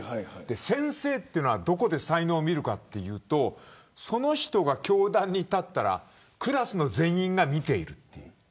先生というのはどこで才能を見るかというとその人が教壇に立ったらクラスの全員が見ている。